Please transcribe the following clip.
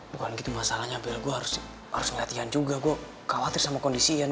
bukan gitu masalahnya bel gue harus ngeliat ian juga gue khawatir sama kondisi ian